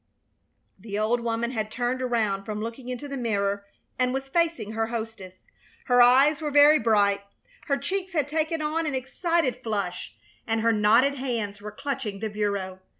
The old woman had turned around from looking into the mirror and was facing her hostess. Her eyes were very bright; her cheeks had taken on an excited flush, and her knotted hands were clutching the bureau.